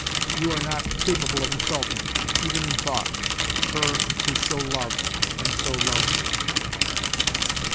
You are not capable of insulting, even in thought, her who so loved and so loves you.'